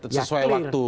dan sesuai waktu